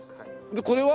でこれは？